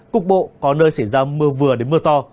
cục bộ có nơi xảy ra mưa vừa đến mưa to